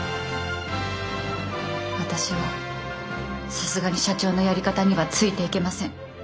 私はさすがに社長のやり方にはついていけません。